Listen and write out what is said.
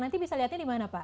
nanti bisa lihatnya dimana pak